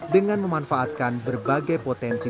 dengan memanfaatkan berbagai potensi